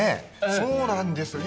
そうなんですよ